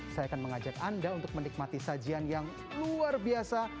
saya akan mengajak anda untuk menikmati sajian yang luar biasa